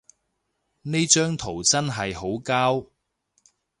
呢張圖真係好膠